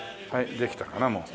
できたかなもう。